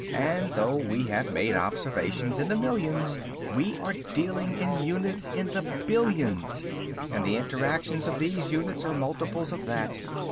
And though we have made observations in the millions, we are dealing in units in the billions, and the interactions of these units are multiples of that.